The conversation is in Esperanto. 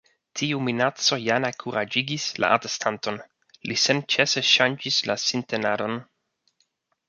Tiu minaco ja ne kuraĝigis la atestanton. Li senĉese ŝanĝis la sintenadon.